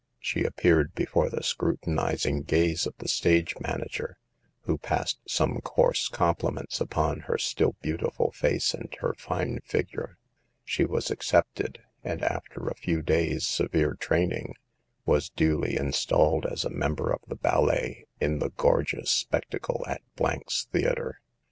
She appeared before the scrutinizing gaze of the stage manager, who passed some coarse compliments upon her still beautiful face and her fine figure. She was accepted ; and after a few days severe training was duly installed as a member of the ballet in the gorgeous spec tacle at i — 's Theater.